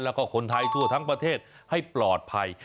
แล้วก็คนไทยทั่วทั้งประเทศให้ปลอดภัย